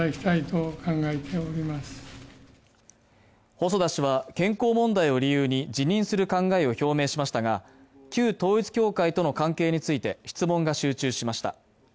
細田氏は健康問題を理由に辞任する考えを表明しましたが、旧統一教会との関係について質問が集中しました。